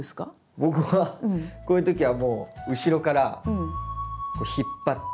僕はこういう時はもう後ろから引っ張って。